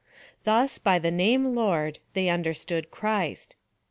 Thus, by the name Lord, they understood Christ.